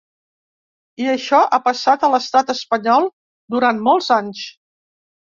I això ha passat a l’estat espanyol durant molts anys.